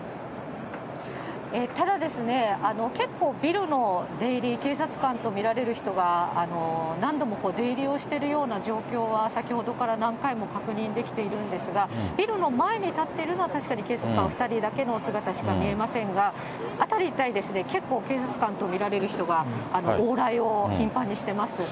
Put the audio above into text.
ただ、結構ビルの出入り、警察官と見られる人が何度も出入りをしているような状況は先ほどから何回も確認できているんですが、ビルの前に立ってるのは、確かに警察官２人だけの姿しか見えませんが、辺り一帯、結構、警察官と見られる人が往来を頻繁にしています。